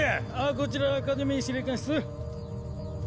こちらアカデミー司令官室。